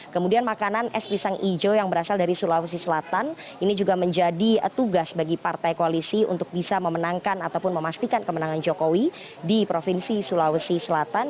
kemudian makanan es pisang hijau yang berasal dari sulawesi selatan ini juga menjadi tugas bagi partai koalisi untuk bisa memenangkan ataupun memastikan kemenangan jokowi di provinsi sulawesi selatan